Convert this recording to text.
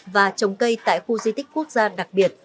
và trồng cây tại khu di tích quốc gia đặc biệt